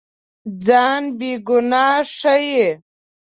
ځان بېګناه ښيي.